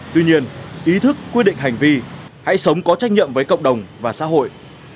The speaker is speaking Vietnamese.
tuy nhiên ý thức quyết định hành vi hãy sống có trách nhiệm với cộng đồng và xã hội